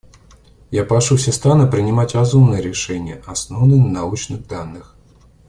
Я прошу все страны принимать разумные решения, основанные на научных данных.